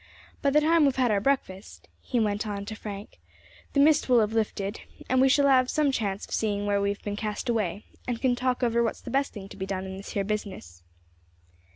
By the time we have had our breakfast," he went on to Frank, "the mist will have lifted, and we shall have some chance of seeing where we have been cast away, and can talk over what's the best thing to be done in this here business."